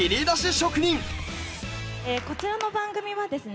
こちらの番組はですね